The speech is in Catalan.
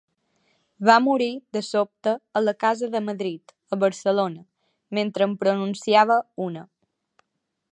Va morir de sobte a la Casa de Madrid, a Barcelona, mentre en pronunciava una.